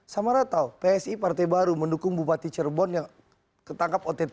samara tahu psi partai baru mendukung bupati cirebon yang ketangkap ott